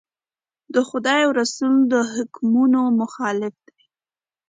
د خدای او رسول د حکمونو مخالف دي.